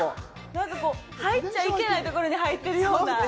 なんかこう、入っちゃいけない所に入ってるような。